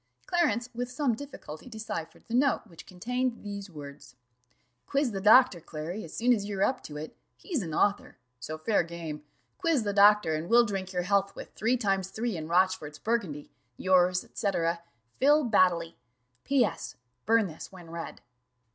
Clarence with some difficulty deciphered the note, which contained these words: "Quiz the doctor, Clary, as soon as you are up to it he's an author so fair game quiz the doctor, and we'll drink your health with three times three in Rochfort's burgundy. "Yours, &c. "PHIL. BADDELY. "P.S. Burn this when read."